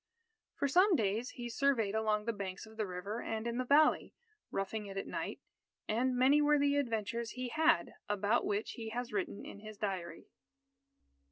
For some days, he surveyed along the banks of the river and in the valley, roughing it at night. And many were the adventures he had about which he has written in his diary.